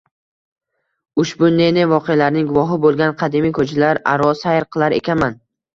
Ushbu ne-ne voqealarning guvohi bo‘lgan qadimiy ko‘chalar aro sayr qilar ekanman